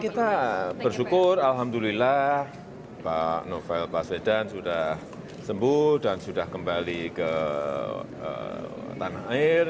kita bersyukur alhamdulillah pak novel baswedan sudah sembuh dan sudah kembali ke tanah air